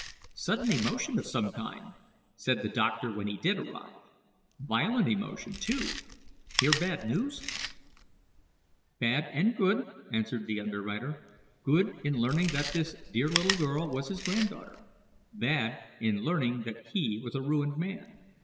"Sudden emotion of some kind," said the doctor when he did arrive. "Violent emotion, too. Hear bad news?" "Bad and good," answered the underwriter. "Good, in learning that this dear little girl was his granddaughter bad, in learning that he was a ruined man.